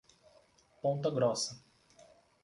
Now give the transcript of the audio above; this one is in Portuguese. Ponta Grossa